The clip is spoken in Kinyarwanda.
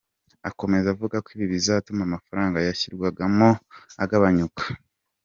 Akomeza avuga ko ibi bizatuma amafaranga yashyirwagamo agabanyuka.